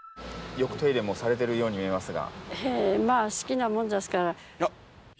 よく手入れもされてるように見えますが。